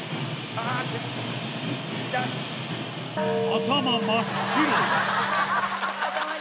頭真っ白。